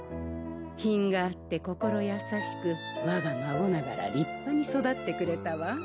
品があって心優しく我が孫ながら立派に育ってくれたわ。